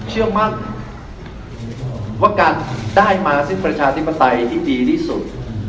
เราเชื่อมั่นว่าการได้มาสิทธิปไตยที่ดีที่สุด